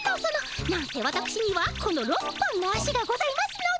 なんせわたくしにはこの６本の足がございますので。